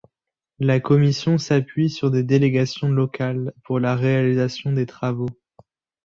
La Commission s'appuie sur des délégations locales pour la réalisation des travaux.